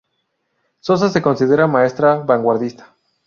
Sosa se considera maestra vanguardista.